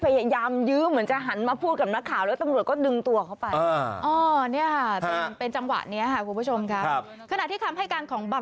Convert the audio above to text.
พยายามยืมเหมือนจะหันมาพูดกับ